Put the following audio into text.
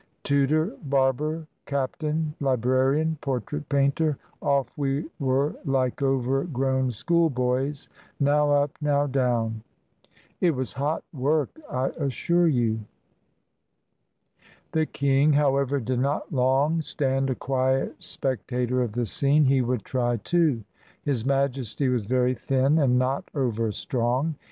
Tutor, barber, captain, librarian, portrait painter — off we were like overgrown school boys, now up, now down. It was hot work, I assure you. The king, however, did not long stand a quiet specta tor of the scene ; he would try, too. His Majesty was very thin, and not over strong.